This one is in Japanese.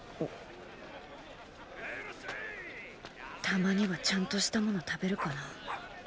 たまにはちゃんとしたもの食べるかな。